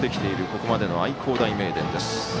ここまでの愛工大名電です。